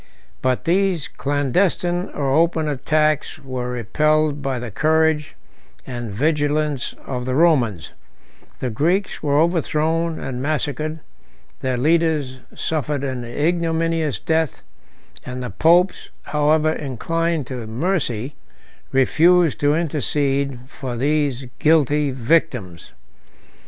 But these clandestine or open attacks were repelled by the courage and vigilance of the Romans; the Greeks were overthrown and massacred, their leaders suffered an ignominious death, and the popes, however inclined to mercy, refused to intercede for these guilty victims.